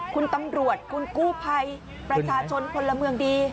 คุณตำรวจคุณกู้ภัยประชาชนพลเมืองดี